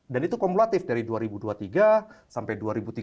dan itu kumulatif dari dua ribu dua puluh tiga sampai dua ribu dua puluh lima